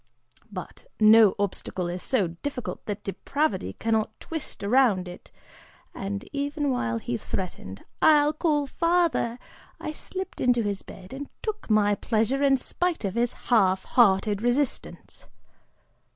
But no obstacle is so difficult that depravity cannot twist around it and even while he threatened 'I'll call father,' I slipped into his bed and took my pleasure in spite of his half hearted resistance.